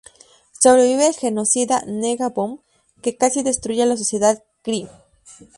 Sobrevive al genocida 'Nega-Bomb', que casi destruye a la sociedad Kree.